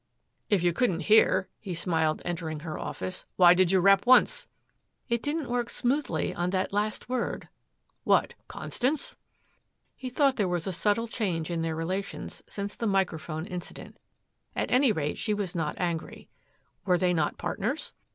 "If you couldn't hear," he smiled entering her office, "why did you rap once!" "It didn't work smoothly on that last word." "What Constance?" He thought there was a subtle change in their relations since the microphone incident. At any rate she was not angry. Were they not partners?